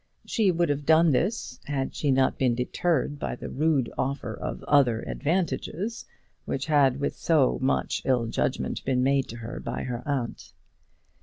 She would have done this, had she not been deterred by the rude offer of other advantages which had with so much ill judgment been made to her by her aunt.